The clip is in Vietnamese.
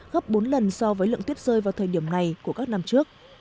gấp bốn lần so với lượng tuyết rơi vào thời điểm này của các năm trước